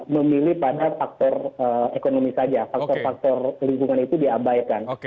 memilih pada faktor ekonomi saja faktor faktor lingkungan itu diabaikan